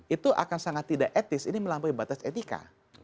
itu akan sangat tidak etis ini melampaui batas etika